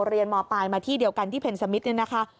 เรียนมปลายมาที่เดียวกันที่เพลนสมิทร์นี่นะคะ